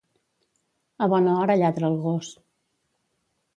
A bona hora lladra el gos.